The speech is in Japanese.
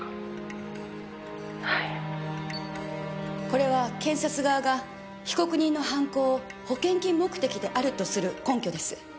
これは検察側が被告人の犯行を保険金目的であるとする根拠です。